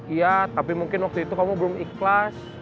iya tapi mungkin waktu itu kamu belum ikhlas